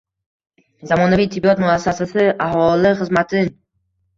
Zamonaviy tibbiyot muassasasi aholi xizmating